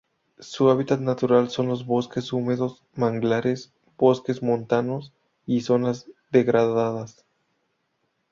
Su hábitat natural son los bosques húmedos, manglares, bosques montanos y zonas degradadas.